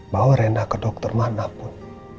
bawa rendah ke dokter manapun